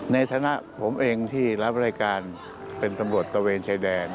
ในฐานะผมเองที่รับรายการเป็นตำรวจตะเวนชายแดน